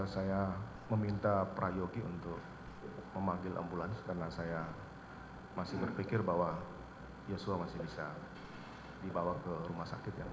saya meminta prayogi untuk memanggil ambulans karena saya masih berpikir bahwa yosua masih bisa dibawa ke rumah sakit